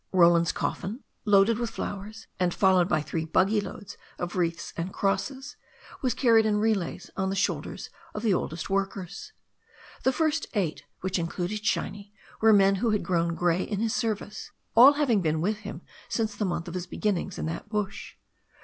Roland's coffin, loaded with flowers, and followed by three buggy loads of wreaths and crosses, was carried in relays on the shoulders of the oldest workers. The first eight, which included Shiny, were men who had grown g^ey in his service, all having been with him since the month of his beginnings in that bush.